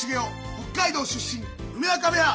北海道出身梅若部屋。